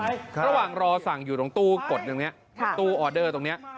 ระหว่างรอสั่งอยู่ตรงตู้กดตรงนี้ตู้ออเดอร์ตรงนี้